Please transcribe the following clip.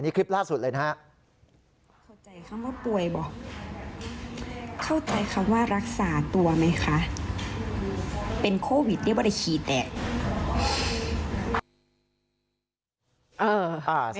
นี่คลิปล่าสุดเลยนะครับ